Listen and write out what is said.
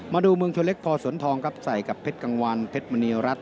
มาดูเมืองชนเล็กพอสวนทองครับใส่กับเพชรกังวานเพชรมณีรัฐ